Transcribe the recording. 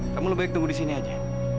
kamu lebih baik tunggu di sini aja